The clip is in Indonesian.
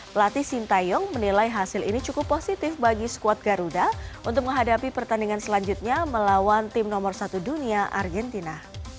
pelatih sintayong menilai hasil ini cukup positif bagi squad garuda untuk menghadapi pertandingan selanjutnya melawan tim nomor satu dunia argentina